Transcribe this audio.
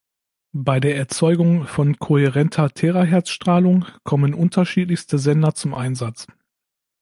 Bei der Erzeugung von kohärenter Terahertzstrahlung kommen unterschiedlichste Sender zum Einsatz.